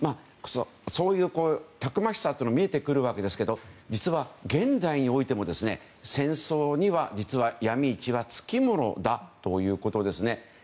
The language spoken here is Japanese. そういうたくましさが見えてくるわけですけど実は現代においても戦争には、実はヤミ市はつきものだということですね。